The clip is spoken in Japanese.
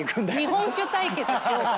日本酒対決しようかな。